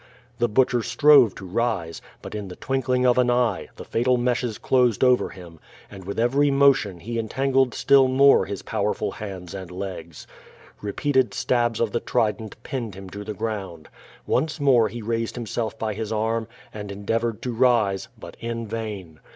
The Butcher strove to rise, but in the twink ling of an eye, the fatal meshes closed over him, and with every motion he entangled still more his powerful hands and legs. Repeated stabs of the trident pinned him to the ground. Once more he raised himself by his arm, and endeavored to rise, but in vain.